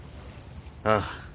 ああ。